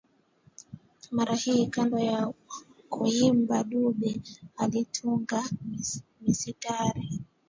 Mara hii kando na kuimba Dube alitunga misitari